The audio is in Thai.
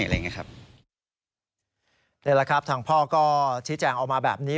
อะไรอย่างเงี้ยครับนี่แหละครับทางพ่อก็ชี้แจ้งออกมาแบบนี้